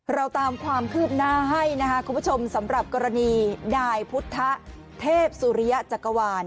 เราตามความคืบหน้าให้นะคะคุณผู้ชมสำหรับกรณีนายพุทธเทพสุริยะจักรวาล